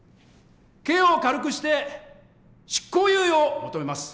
刑を軽くして執行猶予を求めます。